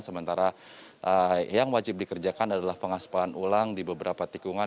sementara yang wajib dikerjakan adalah pengaspalan ulang di beberapa tikungan